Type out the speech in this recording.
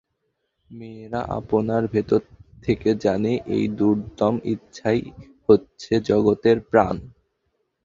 মেয়েরা আপনার ভিতর থেকে জানে, এই দুর্দম ইচ্ছাই হচ্ছে জগতের প্রাণ।